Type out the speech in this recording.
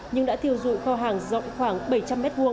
nhưng đã thiêu dụi kho hàng rộng khoảng bảy trăm linh m hai